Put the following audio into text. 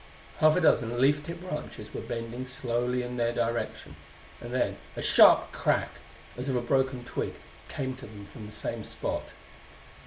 Half a dozen leaf tipped branches were bending slowly in their direction and then a sharp crack, as of a broken twig, came to them from the same spot.